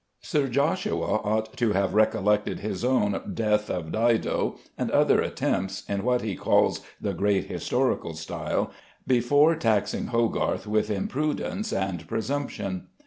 Sir Joshua ought to have recollected his own "Death of Dido," and other attempts in what he calls "the great historical style," before taxing Hogarth with imprudence and presumption.